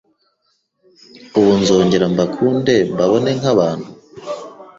ubu nzongera mbakunde mbabone nk’abantu?